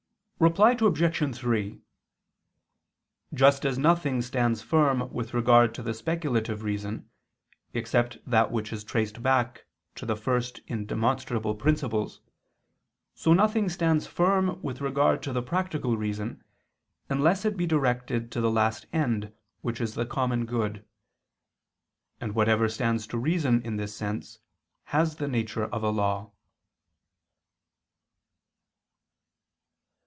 Reply Obj. 3: Just as nothing stands firm with regard to the speculative reason except that which is traced back to the first indemonstrable principles, so nothing stands firm with regard to the practical reason, unless it be directed to the last end which is the common good: and whatever stands to reason in this sense, has the nature of a law.